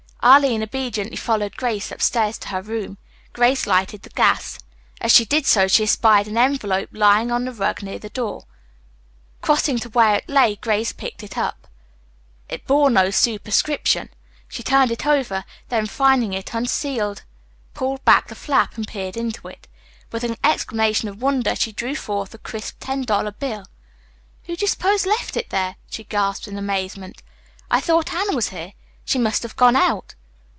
Arline obediently followed Grace upstairs to her room. Grace lighted the gas. As she did so she espied an envelope lying on the rug near the door. Crossing to where it lay, Grace picked it up. It bore no superscription. She turned it over, then finding it unsealed pulled back the flap and peered into it. With an exclamation of wonder she drew forth a crisp ten dollar bill. "Who do you suppose left it there?" she gasped in amazement. "I thought Anne was here. She must have gone out."